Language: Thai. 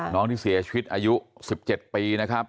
น้องที่เสียชีวิตอายุ๑๗ปี